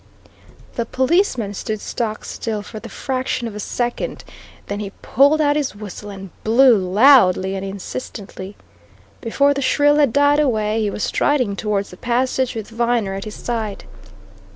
The policeman stood stock still for the fraction of a second. Then he pulled out his whistle and blew loudly and insistently. Before the shrill call had died away, he was striding towards the passage, with Viner at his side.